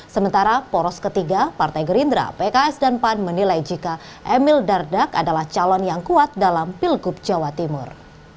sementara poros ketiga partai gerindra pks dan pan menilai jika emil dardak adalah calon yang kuat dalam pilgub jawa timur